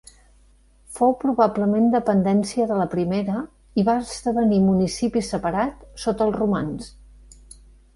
Fou probablement dependència de la primera i va esdevenir municipi separat sota els romans.